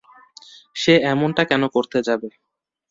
সে এমনটা কেন করতে যাবে?